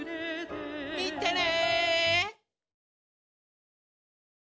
みてね！